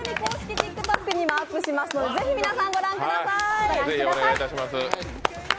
ＴｉｋＴｏｋにもアップしますのでご覧ください。